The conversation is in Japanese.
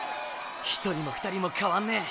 １人も２人も変わんねェ！